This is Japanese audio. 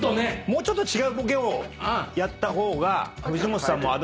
もうちょっと違うボケをやった方が藤本さんもアドリブで。